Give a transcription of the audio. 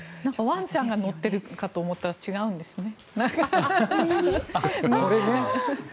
ワンちゃんが乗っているかと思ったら違うんですね。